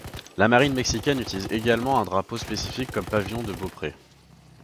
La marine mexicaine utilise également un drapeau spécifique comme pavillon de beaupré.